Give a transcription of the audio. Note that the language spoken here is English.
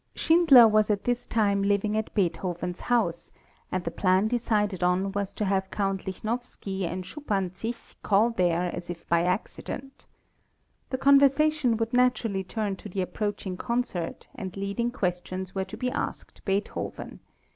Schindler was at this time living at Beethoven's house, and the plan decided on was to have Count Lichnowsky and Schuppanzich call there as if by accident. The conversation would naturally turn to the approaching concert and leading questions were to be asked Beethoven.